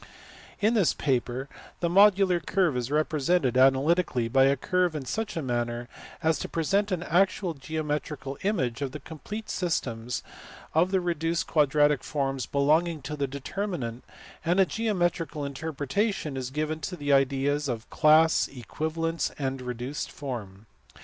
In this paper the modular curve is represented analytically by a curve in such a manner as to present an actual geometrical image of the complete systems of the reduced quadratic forms belonging to the determinant, and a geometrical interpretation is given to the ideas of " class/ " equivalence," and " reduced form."